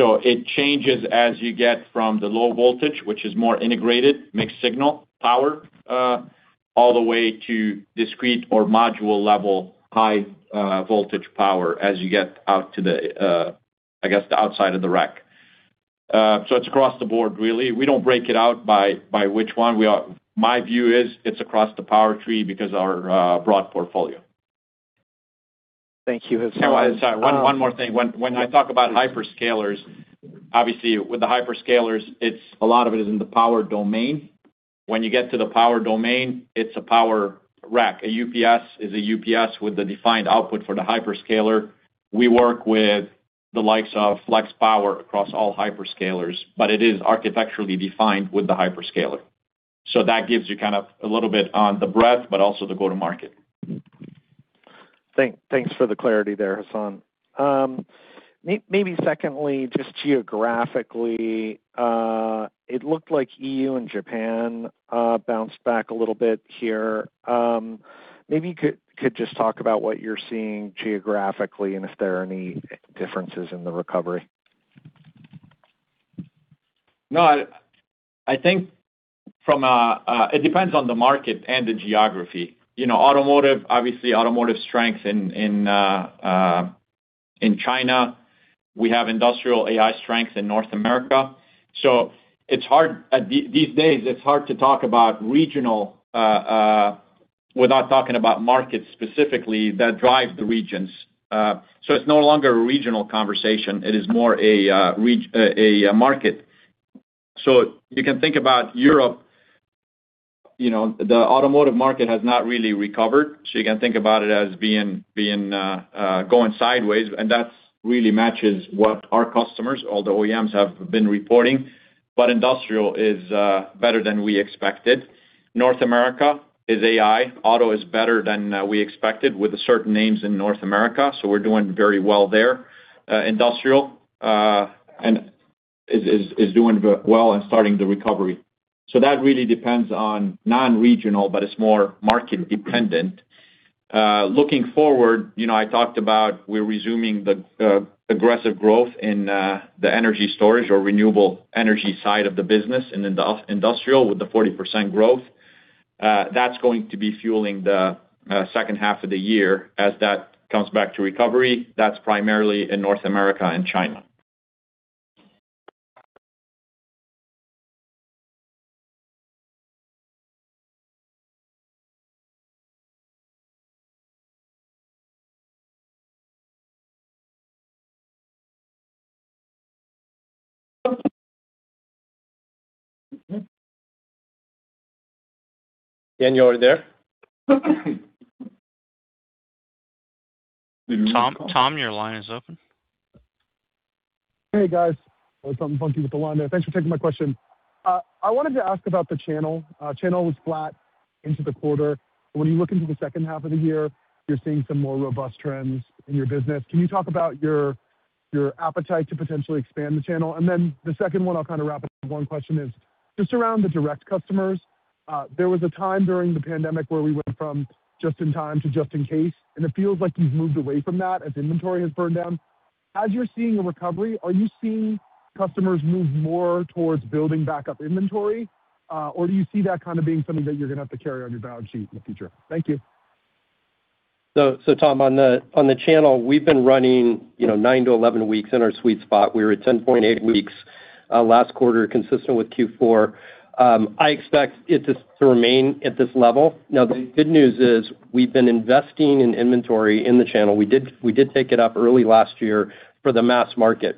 It changes as you get from the low voltage, which is more integrated mixed-signal power, all the way to discrete or module level high voltage power as you get out to the, I guess, the outside of the rack. It's across the board really. We don't break it out by which one. My view is it's across the power tree because our broad portfolio. Thank you, Hassane. Sorry, one more thing. When I talk about hyperscalers, obviously with the hyperscalers, it's a lot of it is in the power domain. When you get to the power domain, it's a power rack. A UPS is a UPS with the defined output for the hyperscaler. We work with the likes of Flex Power across all hyperscalers, it is architecturally defined with the hyperscaler. That gives you kind of a little bit on the breadth, but also the go-to-market. Thanks for the clarity there, Hassane. Maybe secondly, just geographically, it looked like EU and Japan bounced back a little bit here. Maybe you could just talk about what you're seeing geographically and if there are any differences in the recovery. No, I think from a, it depends on the market and the geography. You know, automotive, obviously automotive strength in China. We have industrial AI strength in North America, so these days it's hard to talk about regional without talking about markets specifically that drive the regions. It's no longer a regional conversation. It is more a market. You can think about Europe, you know, the automotive market has not really recovered, so you can think about it as being going sideways, and that really matches what our customers, all the OEMs have been reporting. Industrial is better than we expected. North America is AI. Auto is better than we expected with the certain names in North America, so we're doing very well there. Industrial and is doing well and starting the recovery. That really depends on non-regional, but it's more market dependent. Looking forward, you know, I talked about we're resuming the aggressive growth in the energy storage or renewable energy side of the business in industrial with the 40% growth. That's going to be fueling the second half of the year as that comes back to recovery. That's primarily in North America and China. Daniel, are you there? Tom, your line is open. Hey, guys. There was something funky with the line there. Thanks for taking my question. I wanted to ask about the channel. Channel was flat into the quarter. When you look into the second half of the year, you're seeing some more robust trends in your business. Can you talk about your appetite to potentially expand the channel? The second one I'll kind of wrap into one question is just around the direct customers. There was a time during the pandemic where we went from just in time to just in case, and it feels like we've moved away from that as inventory has burned down. As you're seeing a recovery, are you seeing customers move more towards building back up inventory? Do you see that kind of being something that you're gonna have to carry on your balance sheet in the future? Thank you. Tom, on the channel, we've been running, you know, nine to 11 weeks in our sweet spot. We were at 10.8 weeks last quarter, consistent with Q4. I expect it to remain at this level. Now, the good news is we've been investing in inventory in the channel. We did take it up early last year for the mass market.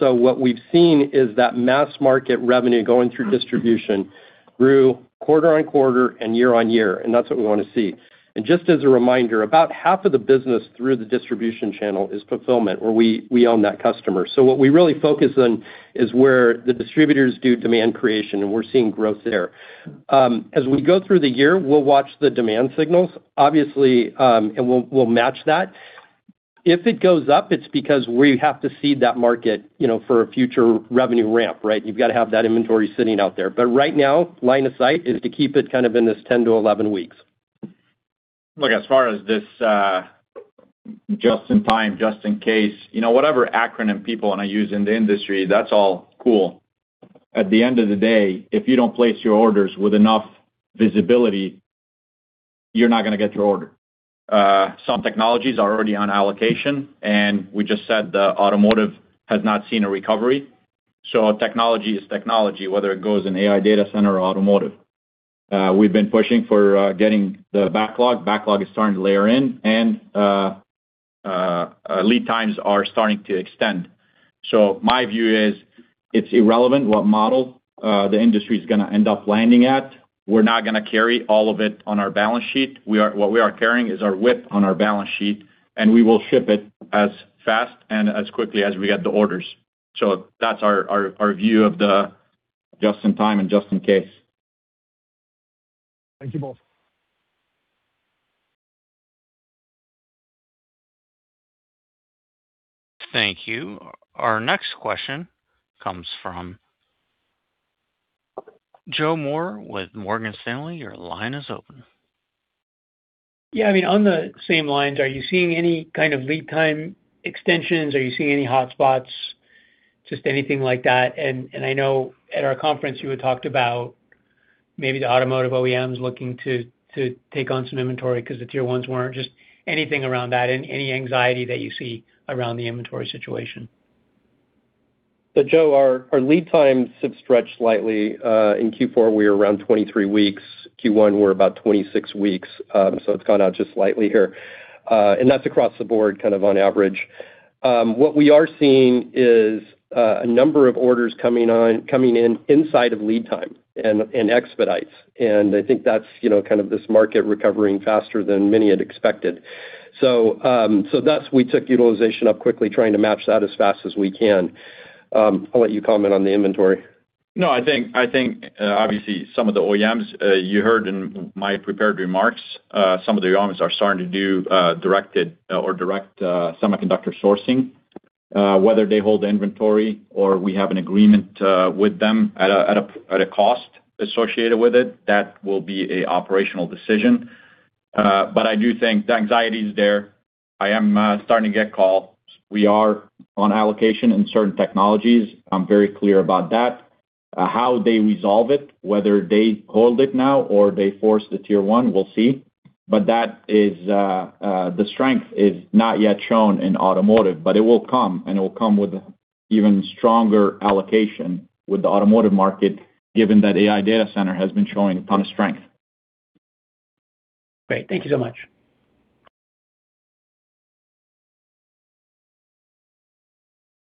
What we've seen is that mass market revenue going through distribution grew quarter-on-quarter and year-on-year, and that's what we wanna see. Just as a reminder, about half of the business through the distribution channel is fulfillment, where we own that customer. What we really focus on is where the distributors do demand creation, and we're seeing growth there. As we go through the year, we'll watch the demand signals, obviously, and we'll match that. If it goes up, it's because we have to seed that market, you know, for a future revenue ramp, right? You've got to have that inventory sitting out there. Right now, line of sight is to keep it kind of in this 10 to 11 weeks. Look, as far as this, just in time, just in case, you know, whatever acronym people wanna use in the industry, that's all cool. At the end of the day, if you don't place your orders with enough visibility, you're not gonna get your order. Some technologies are already on allocation, and we just said the automotive has not seen a recovery. Technology is technology, whether it goes in AI data center or automotive. We've been pushing for getting the backlog. Backlog is starting to layer in and lead times are starting to extend. My view is it's irrelevant what model the industry is gonna end up landing at. We're not gonna carry all of it on our balance sheet. What we are carrying is our width on our balance sheet, and we will ship it as fast and as quickly as we get the orders. That's our view of the just in time and just in case. Thank you both. Thank you. Our next question comes from Joe Moore with Morgan Stanley. Your line is open. Yeah. I mean, on the same lines, are you seeing any kind of lead time extensions? Are you seeing any hotspots, just anything like that? I know at our conference you had talked about maybe the automotive OEMs looking to take on some inventory because the tier ones weren't. Just anything around that and any anxiety that you see around the inventory situation? Joe, our lead times have stretched slightly. In Q4 we were around 23 weeks. Q1 we're about 26 weeks, it's gone out just slightly here. That's across the board, kind of on average. What we are seeing is a number of orders coming in inside of lead time and expedites. I think that's, you know, kind of this market recovering faster than many had expected. That's we took utilization up quickly trying to match that as fast as we can. I'll let you comment on the inventory. No, I think, obviously some of the OEMs, you heard in my prepared remarks, some of the OEMs are starting to do directed or direct semiconductor sourcing. Whether they hold inventory or we have an agreement with them at a cost associated with it, that will be an operational decision. I do think the anxiety is there. I am starting to get calls. We are on allocation in certain technologies. I'm very clear about that. How they resolve it, whether they hold it now or they force the tier one, we'll see. That is, the strength is not yet shown in automotive, but it will come, and it will come with even stronger allocation with the automotive market, given that AI data center has been showing a ton of strength. Great. Thank you so much.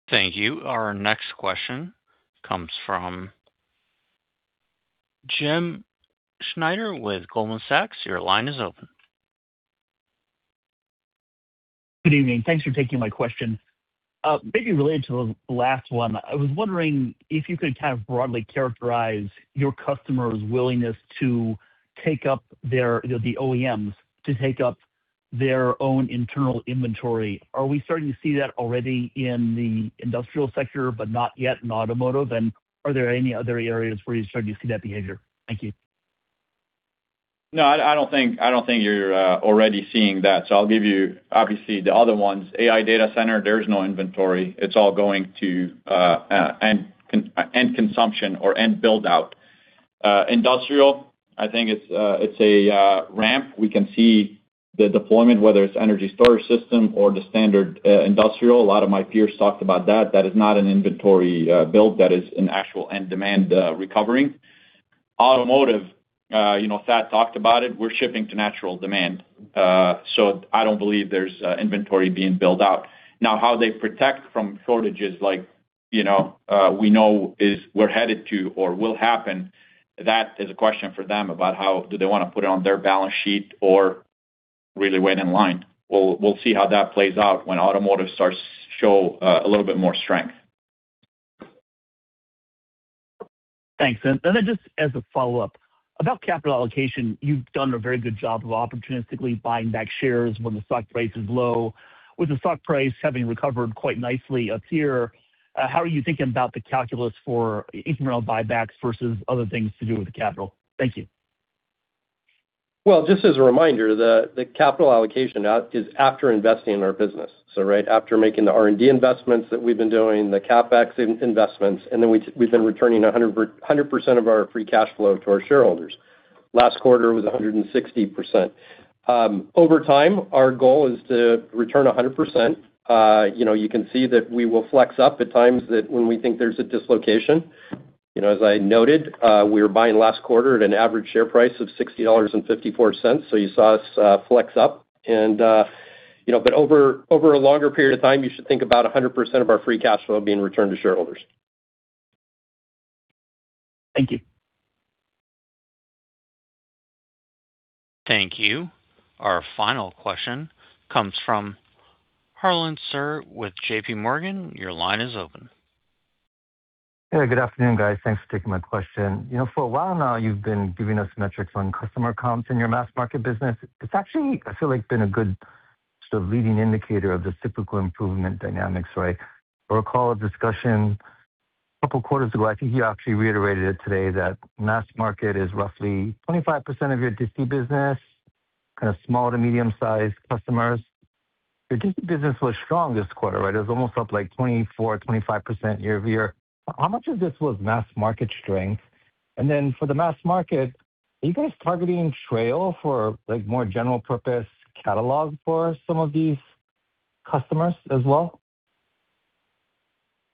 Thank you. Our next question comes from Jim Schneider with Goldman Sachs. Your line is open. Good evening. Thanks for taking my question. Maybe related to the last one, I was wondering if you could kind of broadly characterize your customers' willingness to take up the OEMs to take up their own internal inventory. Are we starting to see that already in the industrial sector but not yet in automotive? Are there any other areas where you're starting to see that behavior? Thank you. No, I don't think, I don't think you're already seeing that. I'll give you obviously the other ones. AI data center, there's no inventory. It's all going to end consumption or end build out. Industrial, I think it's a ramp. We can see the deployment, whether it's energy storage system or the standard industrial. A lot of my peers talked about that. That is not an inventory build. That is an actual end demand recovering. Automotive, you know, Thad talked about it. We're shipping to natural demand. I don't believe there's inventory being built out. How they protect from shortages like, you know, we know is we're headed to or will happen, that is a question for them about how do they wanna put it on their balance sheet or really wait in line? We'll see how that plays out when automotive starts to show, a little bit more strength. Thanks. Then just as a follow-up, about capital allocation, you've done a very good job of opportunistically buying back shares when the stock price is low. With the stock price having recovered quite nicely up here, how are you thinking about the calculus for incremental buybacks versus other things to do with the capital? Thank you. Well, just as a reminder, the capital allocation now is after investing in our business. Right after making the R&D investments that we've been doing, the CapEx investments, and then we've been returning 100% of our free cash flow to our shareholders. Last quarter was 160%. Over time, our goal is to return 100%. You know, you can see that we will flex up at times that when we think there's a dislocation. You know, as I noted, we were buying last quarter at an average share price of $60.54, so you saw us flex up and, you know. Over a longer period of time, you should think about 100% of our free cash flow being returned to shareholders. Thank you. Thank you. Our final question comes from Harlan Sur with JPMorgan. Your line is open. Hey, good afternoon, guys. Thanks for taking my question. You know, for a while now, you've been giving us metrics on customer comps in your mass market business. It's actually, I feel like, been a good sort of leading indicator of the typical improvement dynamics, right? I recall a discussion a couple quarters ago, I think you actually reiterated it today, that mass market is roughly 25% of your disti business, kind of small to medium sized customers. Your disti business was strong this quarter, right? It was almost up, like, 24%-25% year-over-year. How much of this was mass market strength? Then for the mass market, are you guys targeting Treo for, like, more general-purpose catalog for some of these customers as well?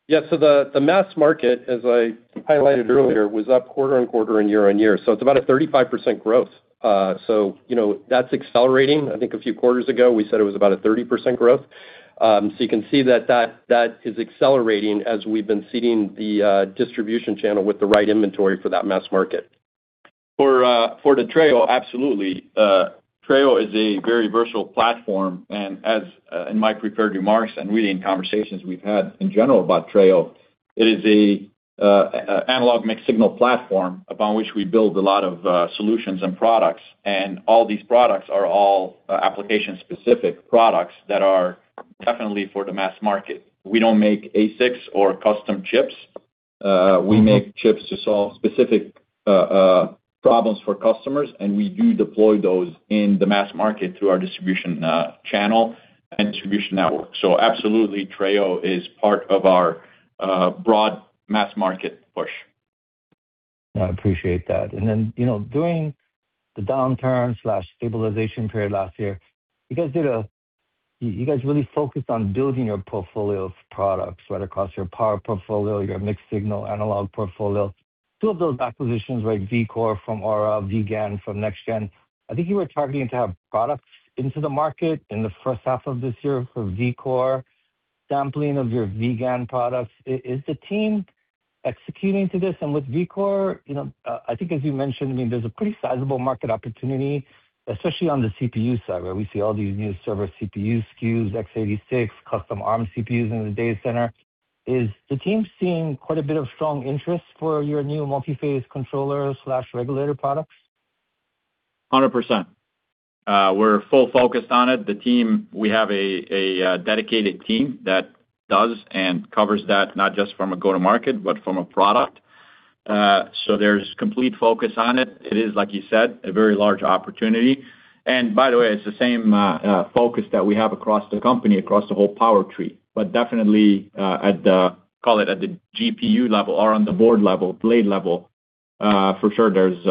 Yeah. The, the mass market, as I highlighted earlier, was up quarter-on-quarter and year-on-year, so it's about a 35% growth. You know, that's accelerating. I think a few quarters ago, we said it was about a 30% growth. You can see that is accelerating as we've been seeding the distribution channel with the right inventory for that mass market. For, for the Treo, absolutely. Treo is a very virtual platform, and as in my prepared remarks and really in conversations we've had in general about Treo, it is an analog and mixed-signal platform upon which we build a lot of solutions and products. All these products are all application specific products that are definitely for the mass market. We don't make ASICs or custom chips. We make chips to solve specific problems for customers, and we do deploy those in the mass market through our distribution channel and distribution network. Absolutely, Treo is part of our broad mass market push. I appreciate that. You know, during the downturn/stabilization period last year, you guys really focused on building your portfolio of products, right, across your power portfolio, your mixed-signal analog portfolio. Two of those acquisitions, right, Aura, vGaN from NexGen. I think you were targeting to have products into the market in the first half of this year for Vcore sampling of your vGaN products. Is the team executing to this? With Vcore, you know, I think as you mentioned, I mean, there's a pretty sizable market opportunity, especially on the CPU side, where we see all these new server CPU SKUs, x86, custom ARM CPUs in the data center. Is the team seeing quite a bit of strong interest for your new multi-phase controller/regulator products? 100%. We're full focused on it. We have a dedicated team that does and covers that, not just from a go-to-market, but from a product. There's complete focus on it. It is, like you said, a very large opportunity. By the way, it's the same focus that we have across the company, across the whole power tree. Definitely, at the, call it at the GPU level or on the board level, blade level, for sure, there's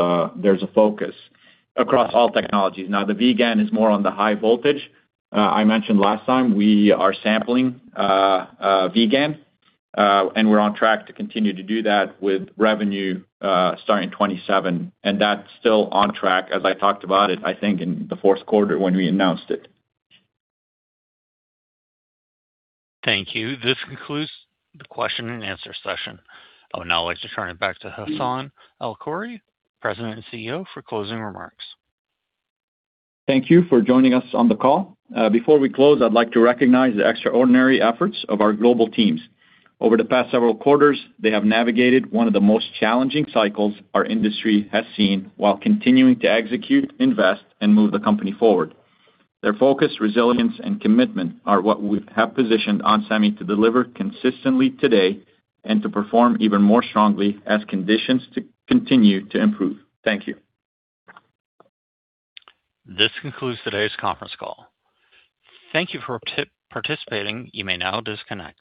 a focus across all technologies. Now, the vGaN is more on the high voltage. I mentioned last time we are sampling vGaN, and we're on track to continue to do that with revenue, starting 2027, and that's still on track as I talked about it, I think, in the fourth quarter when we announced it. Thank you. This concludes the question-and-answer session. I would now like to turn it back to Hassane El-Khoury, President and CEO, for closing remarks. Thank you for joining us on the call. Before we close, I'd like to recognize the extraordinary efforts of our global teams. Over the past several quarters, they have navigated one of the most challenging cycles our industry has seen while continuing to execute, invest, and move the company forward. Their focus, resilience, and commitment are what have positioned onsemi to deliver consistently today and to perform even more strongly as conditions continue to improve. Thank you. This concludes today's conference call. Thank you for participating. You may now disconnect.